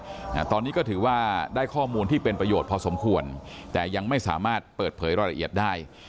อ่าตอนนี้ก็ถือว่าได้ข้อมูลที่เป็นประโยชน์พอสมควรแต่ยังไม่สามารถเปิดเผยรายละเอียดได้